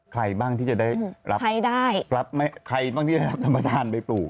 ใครบ้างที่จะได้รับใครบ้างที่จะได้รับสัมปธานไปปลูก